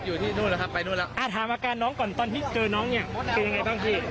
อยู่ที่โน่นแล้วครับไปโน่นแล้วอ่าถามอาการน้องก่อนตอนที่เจอน้องเนี้ย